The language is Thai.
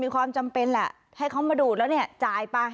ความจำเป็นแหละให้เขามาดูดแล้วเนี่ยจ่ายไป